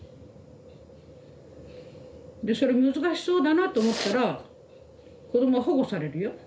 でそれ難しそうだなと思ったら子どもは保護されるよ。